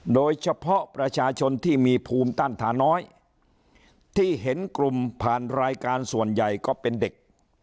โดยเฉพาะประชาชนที่มีภูมิต้านทานน้อยที่เห็นกลุ่มผ่านรายการส่วนใหญ่ก็เป็นเด็ก